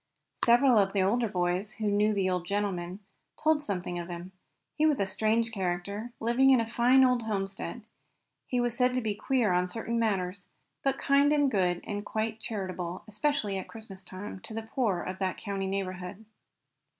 Several of the older boys, who knew the old gentleman, told something of him. He was a strange character, living in a fine old homestead. He was said to be queer on certain matters, but kind and good, and quite charitable, especially at Christmas time, to the poor of that country neighborhood.